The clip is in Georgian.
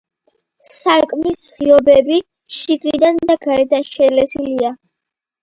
სარკმლის ღიობები შიგნიდან და გარედან შელესილია.